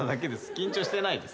緊張してないです。